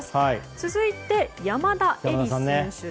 続いて山田恵里選手。